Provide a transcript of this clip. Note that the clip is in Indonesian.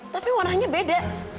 tapi warnanya beda